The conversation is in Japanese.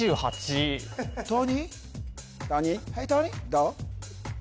どう？